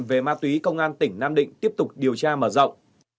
về ma túy công an tỉnh nam định tiếp tục điều tra mở rộng